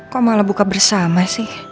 kok malah buka bersama sih